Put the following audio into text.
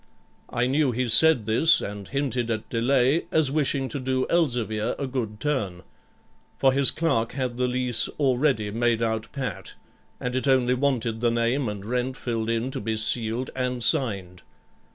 I knew he said this, and hinted at delay as wishing to do Elzevir a good turn; for his clerk had the lease already made out pat, and it only wanted the name and rent filled in to be sealed and signed.